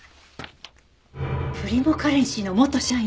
プリモカレンシーの元社員？